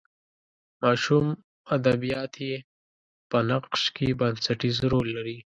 ماشوم ادبیات یې په نقش کې بنسټیز رول لري.